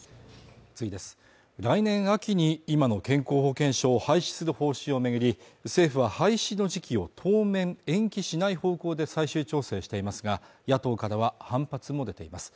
来年秋に今の健康保険証を廃止する方針を巡り政府は廃止の時期を当面、延期しない方向で最終調整していますが野党からは反発も出ています